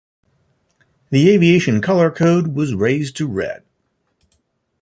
The Aviation Color Code was raised to Red.